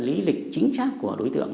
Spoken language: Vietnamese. lý lịch chính xác của đối tượng